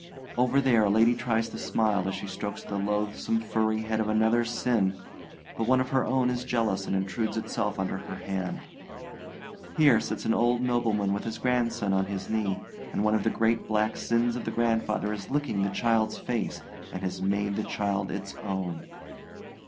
Over there a lady tries to smile as she strokes the loathsome furry head of another's sin, but one of her own is jealous and intrudes itself under her hand. Here sits an old nobleman with his grandson on his knee, and one of the great black sins of the grandfather is licking the child's face and has made the child its own.